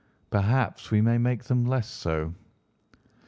"Perhaps we may make them less so."